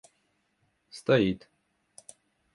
стоит